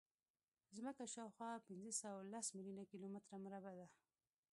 ځمکه شاوخوا پینځهسوهلس میلیونه کیلومتره مربع ده.